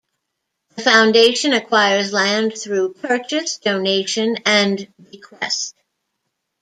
The Foundation acquires land through purchase, donation and bequest.